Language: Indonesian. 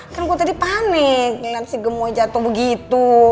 kan gue tadi panik liat si gemoy jatuh begitu